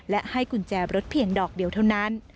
และให้กุญแจรถเพียงดอกเดียวเท่านั้น